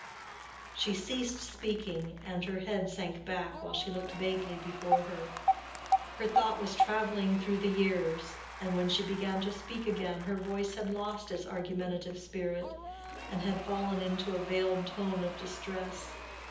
She ceased speaking, and her head sank back while she looked vaguely before her. Her thought was traveling through the years, and when she began to speak again her voice had lost its argumentative spirit, and had fallen into a veiled tone of distress.